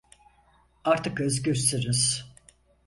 Artık özgürsünüz.